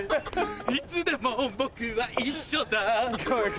いつでも僕は一緒だ合格。